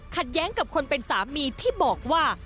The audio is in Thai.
แย้งกับคนเป็นสามีที่บอกว่า